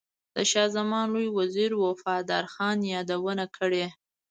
د شاه زمان لوی وزیر وفادار خان یادونه کړې.